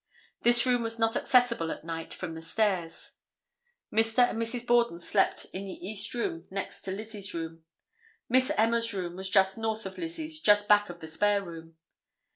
This room was not accessible at night from the stairs. Mr. and Mrs. Borden slept in the east room next to Lizzie's room. Miss Emma's room was just north of Lizzie's, just back of the spare room.